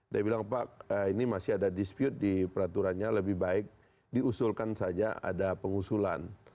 dia bilang pak ini masih ada dispute di peraturannya lebih baik diusulkan saja ada pengusulan